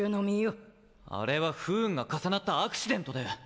あれは不運が重なったアクシデントで！